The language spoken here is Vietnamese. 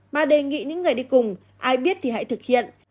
mà đề nghị những người đi cùng ai biết thì hãy thực hiện